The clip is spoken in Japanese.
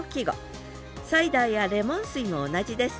サイダーやレモン水も同じです。